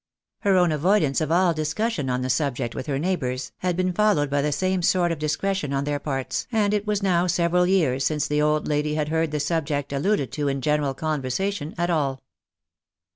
Her own avoidance of all discussion on the subject with her neigh bours, had been followed by the same sort of discretion on their parts, and it was now several years since the old lady had heard the subject alluded to in general conversation at all.